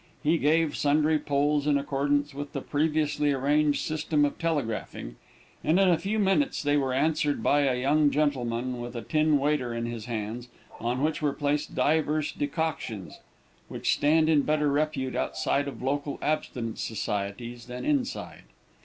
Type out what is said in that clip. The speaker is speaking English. He gave sundry pulls in accordance with the previously arranged system of telegraphing, and in a few minutes they were answered by a young gentleman, with a tin waiter in his hands, on which were placed divers decoctions, which stand in better repute outside of total abstinence societies than inside.